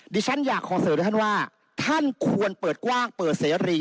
ดิฉันอยากขอเสริมให้ท่านว่าท่านควรเปิดกว้างเปิดเสรี